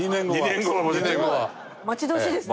待ち遠しいですね。